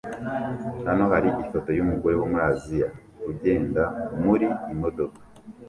Hano hari ifoto yumugore wo muri Aziya ugenda muri imodoka